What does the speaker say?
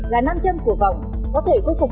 là nam châm của vòng có thể cung cục